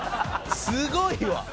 すごいわ！